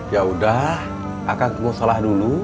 yaudah akan gue sholah dulu